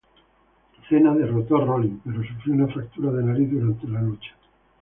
Cena derrotó a Rollins, pero sufrió una fractura de nariz durante la lucha.